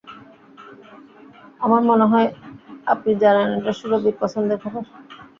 আমার মনে হয়, আপনি জানেন এটা সুরভির পছন্দের খাবার।